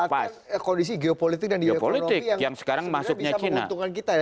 memanfaatkan kondisi geopolitik dan ekonomi yang sebenarnya bisa menguntungkan kita